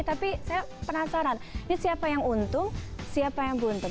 tapi saya penasaran ini siapa yang untung siapa yang buntung